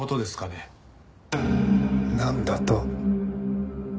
なんだと？